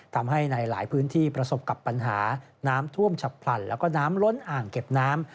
ทำให้ในหลายพื้นที่ประสบกับปัญหาน้ำท่วมฉับพลันแล้วก็น้ำล้นอ่างเก็บน้ำ